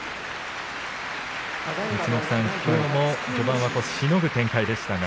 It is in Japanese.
陸奥さん、序盤はしのぐ展開でしたが。